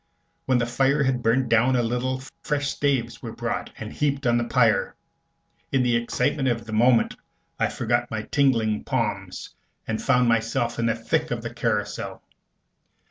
When the fire had burnt down a little, fresh staves were brought and heaped on the pyre. In the excitement of the moment I forgot my tingling palms, and found myself in the thick of the carousal.